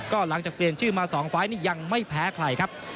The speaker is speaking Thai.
ก็หลังจากเปลี่ยนชื่อมา๒ไฟล์นี่ยังไม่แพ้ใครครับ